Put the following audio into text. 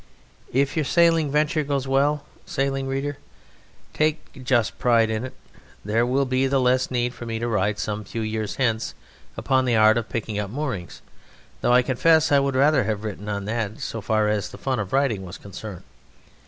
If your sailing venture goes well, sailing reader, take a just pride in it; there will be the less need for me to write, some few years hence, upon the art of picking up moorings, though I confess I would rather have written on that so far as the fun of writing was concerned.